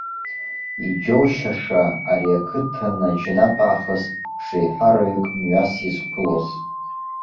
Иџьоушьаша, ари ақыҭан наџьнатә аахыс бжеиҳараҩык мҩас изқәылоз.